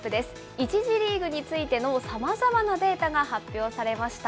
１次リーグについてのさまざまなデータが発表されました。